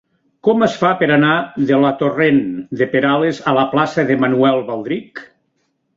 Com es fa per anar de la torrent de Perales a la plaça de Manuel Baldrich?